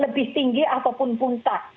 lebih tinggi ataupun puncak